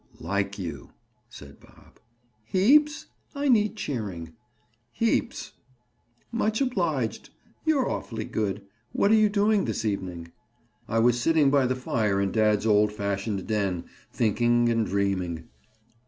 "Like you," said Bob. "Heaps? I need cheering." "Heaps." "Much obliged. You're awfully good. What are you doing this evening?" "I was sitting by the fire in dad's old fashioned den, thinking and dreaming."